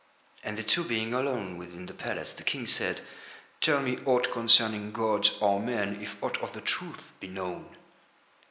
And they two being alone within the palace the King said: "Tell me aught concerning gods or men if aught of the truth be known."